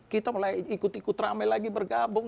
kita mulai ikut ikut rame lagi bergabung